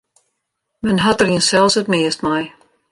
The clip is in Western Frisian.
Men hat der jinsels it meast mei.